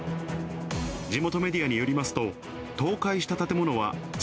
地元メディアによりますと、倒壊した建物は築